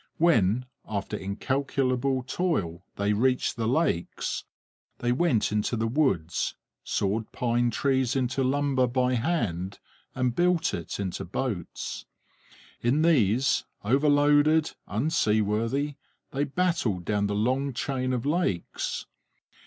When, after incalculable toil they reached the lakes, they went into the woods, sawed pine trees into lumber by hand, and built it into boats. In these, overloaded, unseaworthy, they battled down the long chain of lakes.